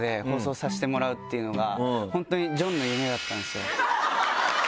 本当にジョンの夢だったんですよ。